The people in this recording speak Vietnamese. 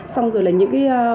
xong rồi là những cái